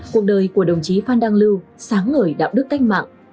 cuộc đời của đồng chí phan đăng lưu sáng ngời đạo đức cách mạng